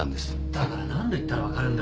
だから何度言ったら分かるんだ。